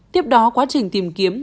tiếp đó quá trình tìm kiếm